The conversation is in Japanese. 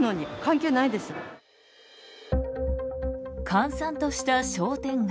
閑散とした商店街。